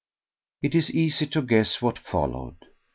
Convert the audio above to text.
It is easy to guess what followed.